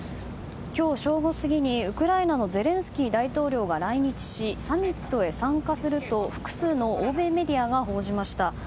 今日正午過ぎに、ウクライナのゼレンスキー大統領が来日し、サミットへ参加すると複数の欧米メディアが報じました。